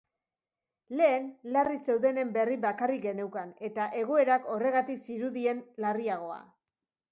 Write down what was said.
Lehen, larri zeudenen berri bakarrik geneukan, eta egoerak horregatik zirudien larriagoa.